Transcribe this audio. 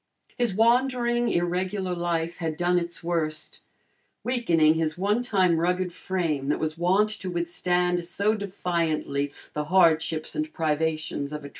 His wandering irregular life had done its worst, weakening his one time rugged frame that was wont to withstand so defiantly, the hardships and privations of a tramp life.